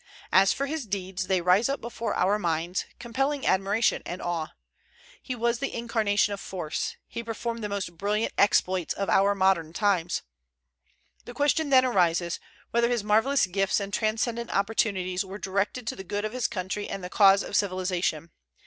As for his deeds, they rise up before our minds, compelling admiration and awe. He was the incarnation of force; he performed the most brilliant exploits of our modern times. The question then arises, whether his marvellous gifts and transcendent opportunities were directed to the good of his country and the cause of civilization.